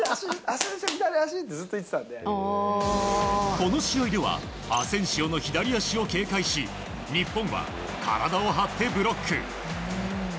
この試合ではアセンシオの左足を警戒し日本は、体を張ってブロック。